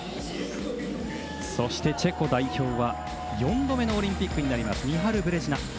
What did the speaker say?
そしてチェコ代表は４度目のオリンピックになりますミハル・ブレジナ。